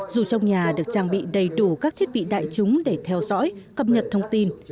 dù trong nhà được trang bị đầy đủ các thiết bị đại chúng để theo dõi cập nhật thông tin